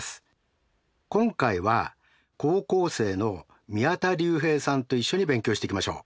今回は高校生の宮田隆平さんと一緒に勉強をしていきましょう。